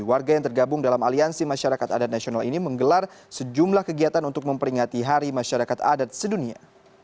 warga yang tergabung dalam aliansi masyarakat adat nasional ini menggelar sejumlah kegiatan untuk memperingati hari masyarakat adat sedunia